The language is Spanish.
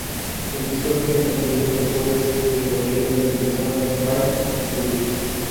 El disco tiene contenido que puede ser desbloqueado y utilizado en "Paint Studio".